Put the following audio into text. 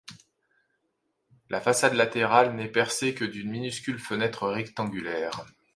La façade latérale n'est percée que d'une minuscule fenêtre rectangulaire.